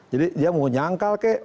jadi dia mau nyangkal ke